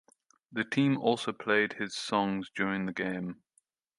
The team also played his songs during the game.